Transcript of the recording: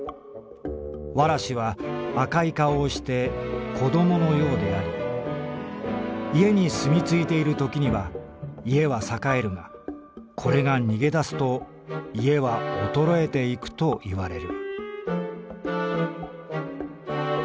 童子は赤い顔をして子供のようであり家に住みついている時には家は栄えるがこれが逃げ出すと家は衰えてゆくといわれる」。